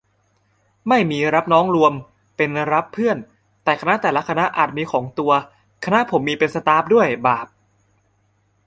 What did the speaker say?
ไม่มีรับน้องรวม เป็นรับเพื่อน แต่คณะแต่ละคณะอาจมีของตัว คณะผมมี เป็นสต๊าฟด้วย บาป